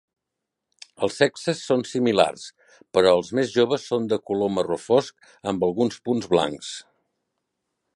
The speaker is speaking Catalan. Els sexes són similars, però els més joves son de color marró fosc amb alguns punts blancs.